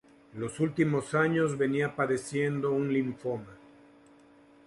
En los últimos años, venía padeciendo un linfoma.